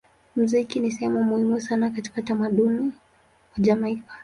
Muziki ni sehemu muhimu sana katika utamaduni wa Jamaika.